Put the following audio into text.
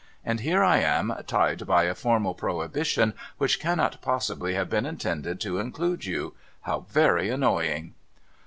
And here I am tied by a formal prohibition, which cannot possibly have been intended to include you. How very annoying